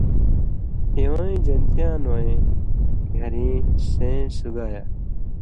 اِوَیں (جنتیان وَیں) گھریں (سېں سُگایہ،